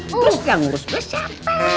terus yang urus gua siapa